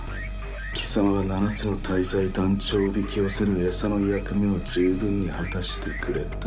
貴様は七つの大罪団長をおびき寄せる餌の役目を十分に果たしてくれた。